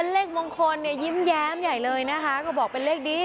เลขมงคลเนี่ยยิ้มแย้มใหญ่เลยนะคะก็บอกเป็นเลขดี